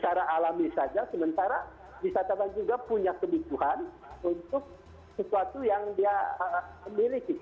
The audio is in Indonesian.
secara alami saja sementara wisatawan juga punya kebutuhan untuk sesuatu yang dia miliki